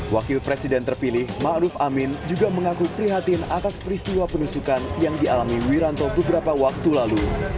wakil presiden terpilih ⁇ maruf ⁇ amin juga mengaku prihatin atas peristiwa penusukan yang dialami wiranto beberapa waktu lalu